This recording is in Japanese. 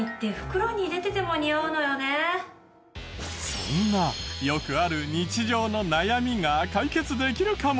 そんなよくある日常の悩みが解決できるかも？